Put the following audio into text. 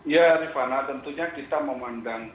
ya rifana tentunya kita memandang